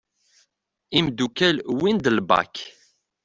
Imddukal wwin-d l BAK.